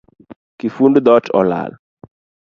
Kifund dhot olal